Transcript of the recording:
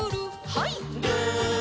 はい。